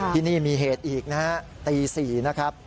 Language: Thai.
ที่นี่มีเหตุอีกนะฮะตี๔นะครับ